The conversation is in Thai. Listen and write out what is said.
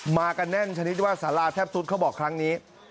มากันแน่นชนิดว่าสาราแทบสุดเขาบอกครั้งนี้